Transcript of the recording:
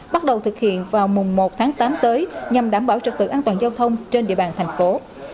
bắt đầu thực hiện vào mùng một tháng tám tới nhằm đảm bảo trật tự an toàn giao thông trên địa bàn thành phố